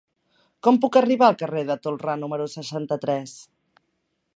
Com puc arribar al carrer de Tolrà número seixanta-tres?